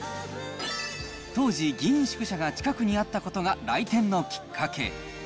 当時、議員宿舎が近くにあったことが来店のきっかけ。